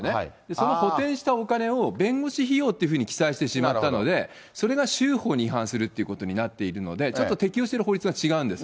その補填したお金を、弁護士費用っていうふうに記載してしまったので、それが州法に違反するっていうことになっているので、ちょっと適用している法律が違うんです。